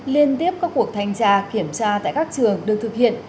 liên tiếp các cuộc thanh tra kiểm tra tại các trường được thực hiện